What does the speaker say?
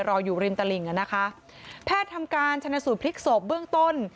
อยู่ริมตลิ่งอ่ะนะคะแพทย์ทำการชนะสูตรพลิกศพเบื้องต้น